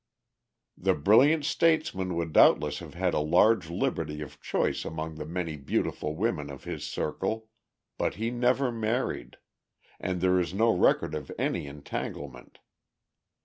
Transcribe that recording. The brilliant statesman would doubtless have had a large liberty of choice among the many beautiful women of his circle, but he never married, and there is no record of any entanglement.